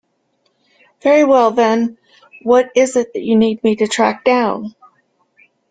Very well then, what is it that you need me to track down?